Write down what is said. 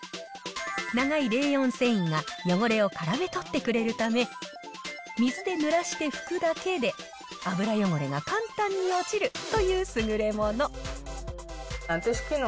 長いレーヨン繊維が汚れをからめとってくれるため、水でぬらして拭くだけで、油汚れが簡単に落ちるという優れもの。